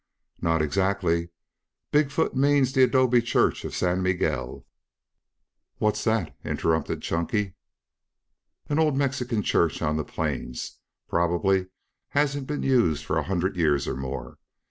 "Not exactly. Big foot means the adobe church of San Miguel." "What's that?" interrupted Chunky. "An old Mexican church on the plains. Probably hasn't been used for a hundred years or more.